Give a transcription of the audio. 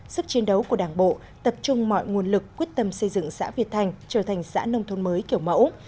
sức chiến đấu của đảng bộ tập trung mọi nguồn lực quyết tâm xây dựng xã việt thành trở thành xã nông thôn mới kiểu mẫu